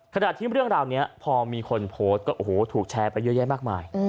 ขณะที่เรื่องราวนี้พอมีคนโพสต์ก็โอ้โหถูกแชร์ไปเยอะแยะมากมาย